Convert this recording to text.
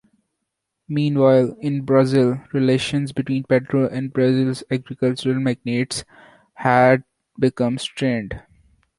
Meanwhile, in Brazil, relations between Pedro and Brazil's agricultural magnates had become strained.